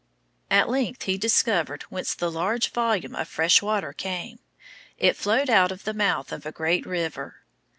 At length he discovered whence the large volume of fresh water came. It flowed out of the mouth of a great river.